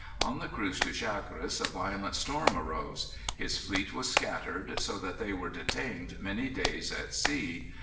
On the cruise to Chagres a violent storm arose. His fleet was scattered, so that they were detained many days at sea.